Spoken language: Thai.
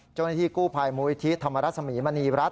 จุดในที่กู้ภัยมูลอิทธิศธรรมรัฐศมีร์มณีรัฐ